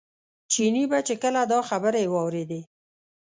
چیني به چې کله دا خبرې واورېدې.